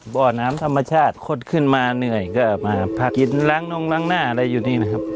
บ่อน้ำธรรมชาติคดขึ้นมาเหนื่อยก็มาพักกินล้างนงล้างหน้าอะไรอยู่นี่นะครับ